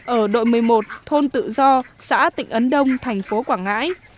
ở đội một mươi một thôn tự do xã tịnh ấn đông thành phố quảng ngãi